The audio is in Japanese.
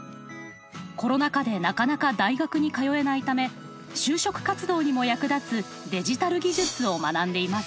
コロナ禍でなかなか大学に通えないため就職活動にも役立つデジタル技術を学んでいます。